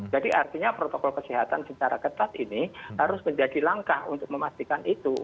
jadi artinya protokol kesehatan secara ketat ini harus menjadi langkah untuk memastikan itu